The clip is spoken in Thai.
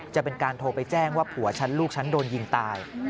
จะเป็นการโทรไปแจ้งว่าผัวฉันลูกฉันโดนยิงตาย